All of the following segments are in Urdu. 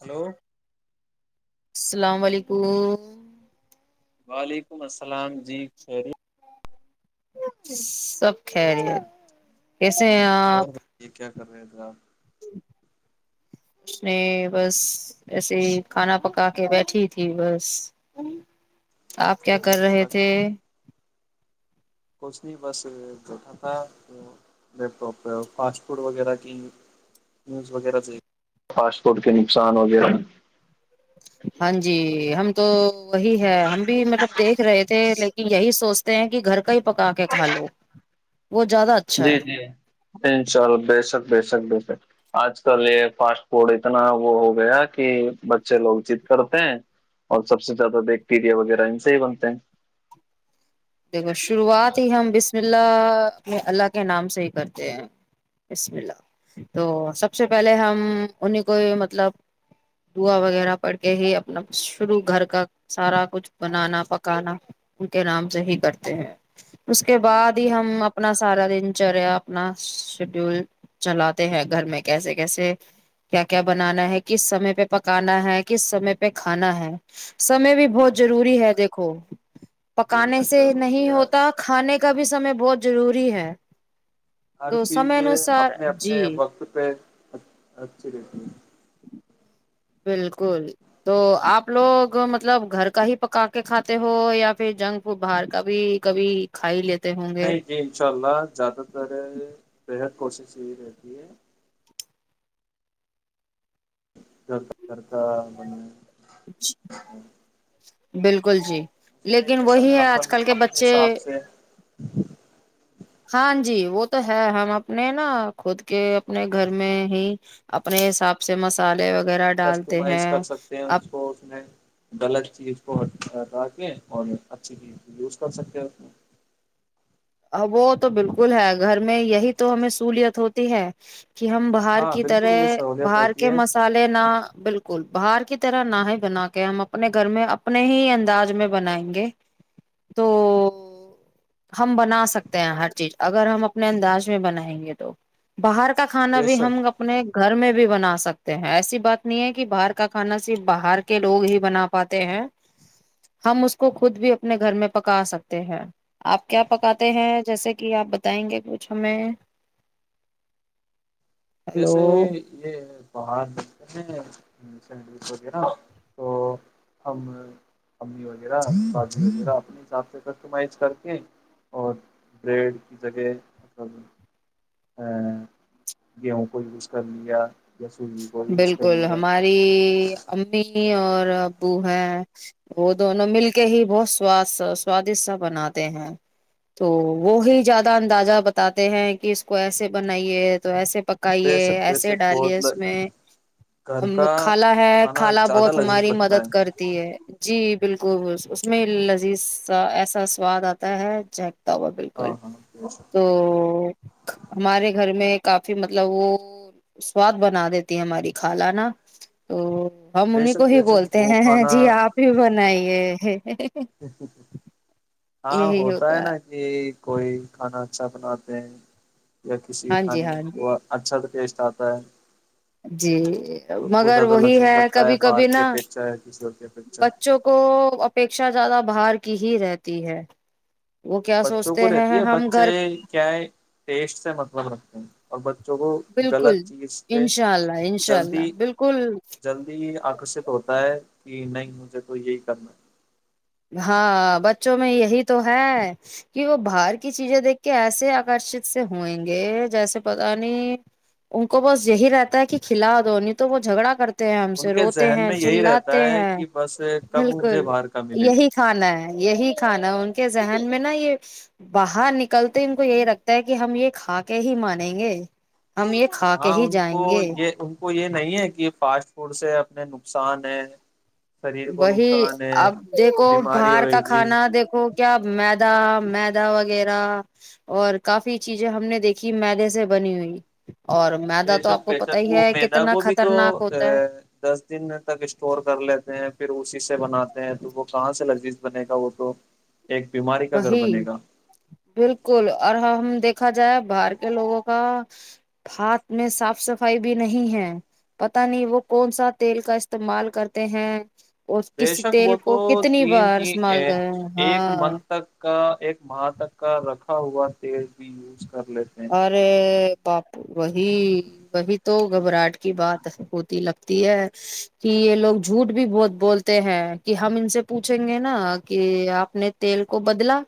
ہلو السلام علیکم وعلیکم السلام جی خ سب خیریت ہیں کیسے اور آپ بتائیے کیا کر رہے تھ آ نہیں بس جس کھانا پکا بیٹھی تھی بس آپ کیا کر کھانا رہے تھے کشنی بس دوٹا لیپٹاپ فاسٹ فوڈ وغیرہ پاسپورٹ کے نقصان وغیرہ ہاں جی ہم تو وہی ہے ہم بھی مطلب دیکھ رہے تھے لائک یہی سوچتے ہیں کہ گھر کا ہی پکا کے کھا لو وہ زیادہ اچھا ہے جی جی ان شاء اللہ بے سک بےشک بےشک آج کل یہ فاسٹ فوڈ اتنا وہ ہو گیا کہ بچے لوگ چیت کرتے ہیں اور سب سے زیادہ بیکٹیریا وغیرہ ان سے ہی بنتے ہیں دیکھو شروعات ہی ہم بسم اللہ اپنے اللہ کے نام سے ہی کرتے ہیں بسم اللہ تو سب سے پہلے ہم انہیں کو مطلب دعا وغیرہ پڑھ کے ہی اپنا شروع گھر کا سارا کچھ بنانا پکانا ان کے نام سے ہی کرتے ہیں اس کے جی بعد انشاء ہی اللہ ہم اپنا سارا دن بچرے اپنا شیڈیول چلاتے ہیں گھر میں کیسے کیسے کیا کیا بنانا ہے کس سمے پہ پکانا ہے کس سمے پہ کھانا ہے سمے بھی جی بہت جی روری ہے دیکھو کوو بے پکانے سے شک ضروری نہیں ہے ہوتا کھانے کا بھی بھی سمے بہت ضروری ہے ہر تو سمے چیزیں انوسار اپنے اپنے جی وقت پہ اچھی رہتی ہے بالکل تو آپ لوگ مطلب گھر کا ہی پکا کے کھاتے ہو یا پھر جنک فوڈ باہر کا بھی کبھی کھائی لیتے ہوں گے نہیں جی انشاء اللہ زیادہ تر ہے بےحد کوشش یہی رہتی ہے کرتا بنے [unintelligible] [inaudible] بالکل جی میں ہی لیکن رہتا وہی نا ہے آج اپن کل کے اپنے بچے حساب سے ہاں جی وہ تو ہے ہم اپنے نا خود کے اپنے گھر میں ہی اپنے حساب سے مسالے و کسٹمائز کر سکتے ہیں اس کو اس میں غلط چیز کو راکیں اور اچھی یوز کر سکتے آ وہ تو بالکل ہے گھر میں یہی تو ہمیں سہولیت ہوتی ہے کہ ہم باہر ہاں کی بالکل یہ طرح سہولیت باہر ہوتی کے ہے مسالے نہ بالکل ب باہر کی طرح نہ ہے بنا کے ہم اپنے گھر میں اپنے ہی انداز میں بنائیں گے تو ہم بنا سکتے ہیں ہر چیز اگر ہم اپنے انداز میں بنائیں گے تو باہر کا کھانا بے بھی شک ہم اپنے گھر میں بھی بھی بنا سکتے ہیں ایسی بات نہیں ہے کہ باہر کا کھانا صرف باہر کے لوگ ہی بنا پاتے ہیں ہم اس کو خود بھی اپنے گھر میں پکا سکتے ہیں آپ کیا پکاتے ہیں جیسے کہ آپ بتائیں گے کچھ ہمیں جیسے ہلو یہ باہر نلتے ہیں سینڈوچ وغیرہ تو ہم امی وغیرہ شادی وغیرہ اپنے حساب سے کسٹمائز کر کے اور بریڈ کی جگہ مطلب گیہوں کو یوز کر لیا یا سوجی کو یوز کر بالکل لیا ہماری امی می اور ابو ہے وہ دونوں مل کے ہی بہت ساد سوادش سا بناتے ہیں تو وہ ہی زیادہ اندازہ بتاتے ہیں کہ اس کو ایسے بنائیے تو ایسے بے پکائیے شک بے ایسے شک ڈالے بہت گھر کا خالا ہے کھانا خالہ زیادہ بہت لذیذ ہماری لگتا مدد ہے کرتی ہے جی بالکل اس میں لذیذ سا ایسا سواد آتا ہے ج ہوا بالکل ہاں ہاں بے شک تو ہمارے گھر میں کافی مطلب وہ سوست بنا دیتی ہیں ہماری خالہ نا تو ہم بے انہیں کو شک بے ہی شک بولتے وہ ہیں ہیں کھانا جی آپ ہی بنائیے ا [inaudible] جی جی ج ہاں ہوتا ہے نا کہ کوئی کھانا اچھا بنات د ہیں یا کسی کے ہاں جی کھانے میں ہاں جی اچھا س ٹیسٹ چاہتا ہے جی وہ مگر زیادہ وہی لذیذ ہے لگتا کبھی باہر کبھی کی نہا اپیکشا یا کسی اور کی اپیکشا بچوں کو اپیکھا زیادہ باہر کی ہی رہتی ہے وہ کیا بچوں کو سوچتے ہیں رہتی ہے ہم بچے گھر کیا ہے ٹیسٹ سے مطلب رکھتے ہیں اوربت جوک بالکل غلط چیز پہ انشاء اللہ انشاء اللہ جلدی بالکل جلدی آکرشت ہوتا ہے کہ نہیں مجھے کو یہی کرنا ہے ہاں بچوں میں یہی تو ہے کہ وہ باہر کی چیزیں دیکھ کے ایسے آکرشت سے ہوئیں گے جیسے پتا نہیں ان کو بس یہی رہتا ہے کہ کھلا دو نہیں تو وہ جھگڑا کرتا ان کے ذہن میں یہی رہتا ہے ہیں کہ بس کب بالکل مجھے باہر کم یہی کھانا ہے یہی کھانا ان کے ذہن میں نا یہ باہر نکلتے ان کو یہی لگتا ہے کہ ہم یہ کھا کے ہی مانیں گے ہم یہ کھا کے ہاں ہی ان جائیں کو گے یہ ان کو یہ نہیں ہے کہ فاسٹ فوڈ سے اپنے نقصان ہے شریر کو وہی نقصان ہے اب دیکھو بیماری باہر ہوئے کا گی کھانا دیکھو کیا میدا میدا وغیرہ اور کافی چیزیں ہم نے دیکھی میدے سے بنی ہوئی اور میدا بے تو شک آپ کو پتا بےشک ہی وہ ہے میدا کتنا کو بھی تو خطرناک ہوتا ہے دس دن تک اسٹور کر لیتے ہیں پھر اسی سے بنااتا ہیں تو وہ کہاں سے لذیذ بنے گا وہ تو ایک بیماری کا گھر بی بنے گا بالکل اور ہم دیکھ رکھا جائے باہر کے لوگوں کا ہاتھ میں صاف صفائی بھی نہیں ہے پتا نہیں وہ کون سا تیل کا استعمال کرتے ہیں اور بے کسی شک تیل وہ تو کو کتنی تین بار تین استعمال کر ایک ہاں منتھ تک کا ایک ماہ تک کا رکھا ہوا تیل بھی یوز کر لیتے ہیں اور باپو وہی وہی تو گھبراہٹ کی بات ہوتی لگتی ہے کہ یہ لوگ جھوٹ بھی بہت بولتے ہیں کہ ہم ان سے پوچھیں گے نا کہ آپ نے تیل کو بدلا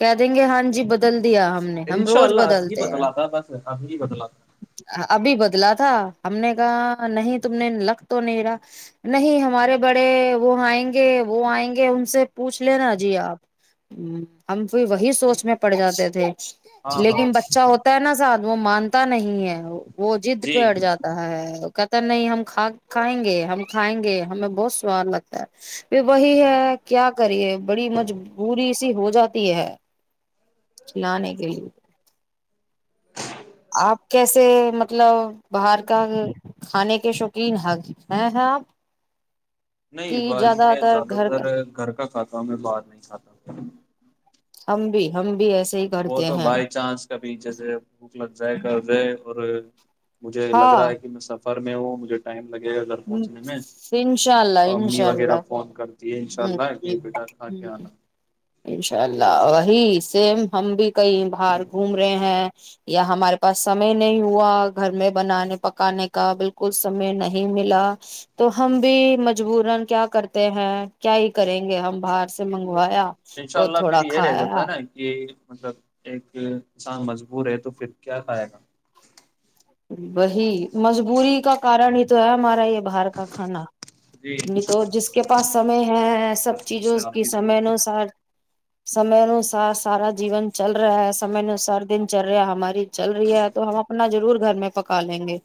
کہ دیں گے ہاں جی بدل دیا ہم نے ہم روز بدلتے ہیں بدل آتا بس اب ہی بدل آتا ابھی بدلا تھا ہم نے کہا نہیں تم نے لگ تو نہیں رہا نہیں ہمارے بڑے وہ آئیں گے وہ آئیں گے ان سے پوچھ لینا جی آپ ہم وہی سوچ میں پڑ جاتے تھے ہاں ہاں لیکن ب نا سھ وہ مانتا نہیں ہے وہ جد جی پہٹ جی جاتا ہے کہتا نہیں ہم کھائیں گے ہم کھائیں گے ہمیں بہت سواد لگتا ہے پ وہی ہے کیا کریے بڑی مجبوری سی ہو جاتی ہے چلانے کے لیے آپ کیسے مطلب باہر کا کھانے کے شوقین حق ہیں ہیں آپ نہیں کہ والای میں زیادہ گھر تر کا گھر کا کھاتا ہوں میں باہر نہیں کھاتا ہ ہم بھی ہمم بھی ایسے ہی وہ کرتے تو ہیں بائی چانس کابھی جی سے بھوک لگ جائے گا اور مجھے لگ رہا ہے کہ میں سفر میں وہجھے ٹائم لگے گا گھر ہ پہنچنے میں انشاء اللہ تو امی انشاء وغیرہ اللہ فون کرتی ہے ان شاء ہ اللہ کہ بیٹا کھا کے ہ آنا انشاء اللہی سیم ہم بھی کئی باہر گھوم رہے ہیں یا ہمارے پاس سمے نہیں ہوا گھر میں بنانے پکانے کا بالکل سمے نہیں نہیں ملا تو ہم بھی مجبورن کیا کرتے ہیں کیا ہی کریں گے ہم باہر سے سے منگوایا ان شاء اور اللہ پھر تھوڑا یہ رہ جاتا کھایا ہے نا کہ مطلب ایک انسان مجبور ہے تو پھر کیا کھائے گا وہی مجبوری کا کارن ہی تو ہے ہمارا یہ باہر کا کھانا جی نہیں انشاء تو جس کے پاس سمے ہے اللہ سب چیزوں سے آپ کی بھی دور سمے ہو نسار سمے انوسار سارا جیون چل رہا ہے سمے انوسار دن چل رہا ہماری چل رہی ہے تو ہم اپنا ضرور گھر میں پکا لیں گے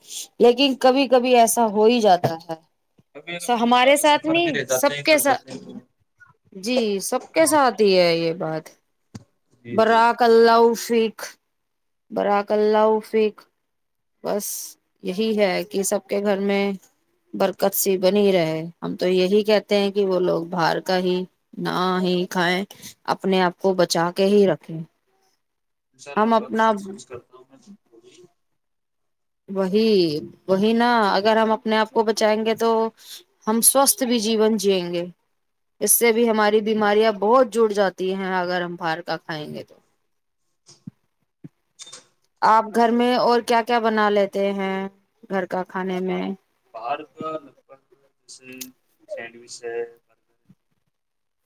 لیکن کبھی کبھی ایسا ہو ہی جاتا ہے کبھی س کبھی ان شاء ہمارے اللہ ساتھ سفر میں نہیں رہ جاتے سب ہیں کے کر جاتے ہیں تو ساتھ جی سب کے ساتھ ہے یہ بات [unintelligible] جی جی برا ک اللہؤ ٹھیک برااک اللہ عفق بس یہی ہے کہ سب کے گھر میں برکت سی بنی رہے ہم تو یہی کہتے ہیں کہ وہ لوگ باہر کا ہی نہ ہی کھائیں اپنے آپ کو بچا کے ہی رکھیں انشاء اللہ ہم وقت اپنا محفوظ کرتا ہوں میں خود کو بھی وہی وہی نا اگر ہم اپنے آپ کو بچائیں گے تو ہم سوستھ بھی جیون جیئیں گے اس سے بھی ہماری بیماریاں بہت جڑ جاتی ہیں اگر ہم باہار کا کھائیں گے تو آپ گھر میں اور کیا کیا بنا لیتے ہیں گھر کا کھانے میں بر کا لگ بگ جیسے سینڈوچ ہے برگر ہے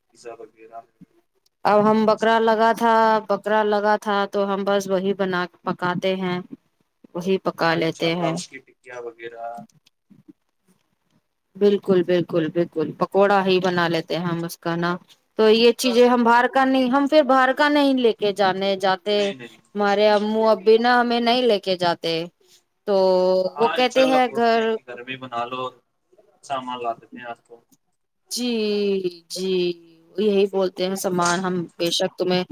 پیزا وغیرہ ہے اب ہم موموز بکرا ہے لگا تھا پکرا لگا تھا تو ہم بس وہی بنا پکاتے ہیں وہی پکا ہاں لیتے انشاءلہ ہیں اس کی ٹکیا وغیرہ بالکل بالکل بالکل پکوڑا ہی بنا لیتے ہیں ہم اس کا نا تو یہ چیزیں نہیں ہم باہر کا نہیں ہم پھر باہر کا نہیں لے کے جانے جاتے نہیں مارے امو ابی ہمیں نہیں لے کے جاتے تو وہ ہاں انشاء کہتے اللہ بولتے ہیں گھر کہ گرمی بنا لو سامان لا دیتے آج تو جی جی یہی بولتے ہیں سمان ہم بے شک تمیں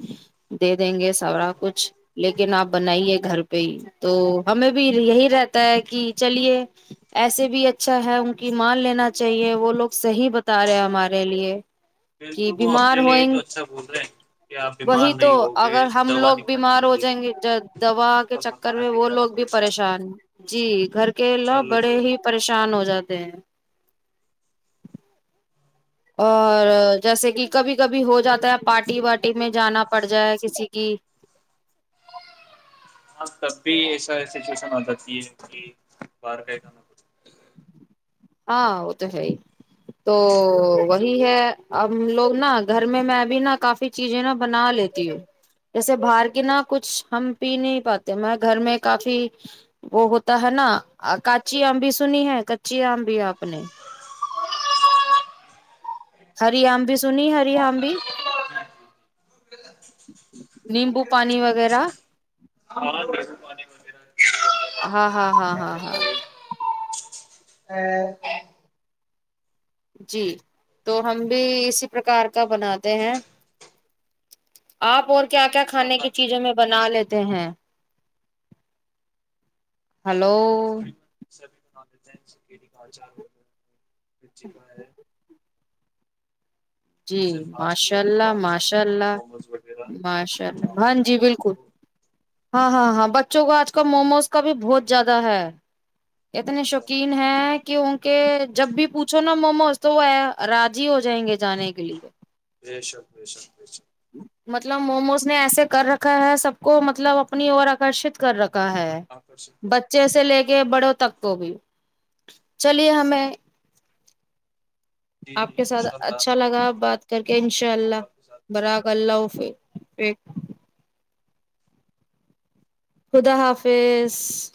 دے دیں گے سارا کچھ لیکن آپ بنائیے گھر پہ ہی تو ہمیں بھی یہی رہتا ہے کہ چلیے ایسے بھی اچھا ہے ان کی مان لینا چاہیے وہ لوگ صحیح تارے ہمارے لیے کہ بالکل وہ بیمار اپنے لیے ہوئیں تو اچھا بول رہے ہیں کہ آپ بیمار وہی تو نہیں ہوگے اگر ہم دوا لوگ نہیں کھانی بیمار ہو پڑے جائیں گی گے دوا کے سفر چکر کھانا میں نہیں وہ جانا لوگ بھی پڑے گا پریشان جی گھر ان کے شاء لوگ اللہ بڑے ضرور ہی پریشان ہو جاتے ہیں اور جیسے کہ کبھی کبھی ہو جاتا ہے پارٹی وارٹی میں جانا پڑ جائے کسی کی ہاں تب بھی ایسا سچویشن ہو جاتی ہے کہ بار گ جانا کھ ہاں وہ تو ہے ہی تو وہی ہے ہم لوگ نا گھر میں میںب نا کافی چیزیں نا بنا لیتی ہوں جیسے باہر کے نہا کچھ ہم پی نہیں پاتے میں گھر میں کافی وہ ہوتا ہے نا کاچی آم بھی سنی ہے کچی آم آپ نے ہری آمبی سنی ہری آمبھی نیمبو پانی وغیرہ ہاں نیبو پانی وغیرہ کیلے وغیرہ ہاں ہاں ہاں ہاں ہاں ہ [unintelligible] جی تو ہم بھی اسی پرکار کا بناتے ہیں آپ ہیں اور تو کیا ہاں کیا ماشاء کھانے کی اللہ چیزوں میں بنا لیتے ہیں ہلو سے کٹی کاچار ہو کچی با ہے جی جیسے فاسٹ ماشاء فوڈ جو اللہ باہر ملتے ماشاء ہیں اپنے اللہ موموز وغیرہ ماشاء اللہ ہاں چاؤمین جی وغیرہ بالکل تو ہاں ہاں ہاں بس بچوں کو آج کل موموز کا بھی بہت زیادہ ہے اتنے بہت زیادہ شوقین ہیں کہ ان کے جب بھی پوچھو موموز تو وہ راضی ہو جائیں گے جانے کے گ لیے [unintelligible] دیشکشش مطلب موموز نے ایسے کر رکھا ہے سب کو مطلب اپنی اور آکرشت کر رکھا ہے آکرشت کر رہے بچے سے لے کے بڑوں تک کو بھی چلیے ہمیں ہیں۔ جی آپ جی کے ان ساتھ شاء اللہ اچھا لگا پھر بات کر کے انشاء اللہ آپ کے ساتھ براک اللہ حف ایک خدا حافظ